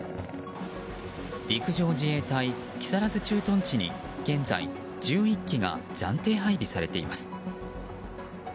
陸上自衛隊木更津駐屯地に現在、１１機が暫定配備されています。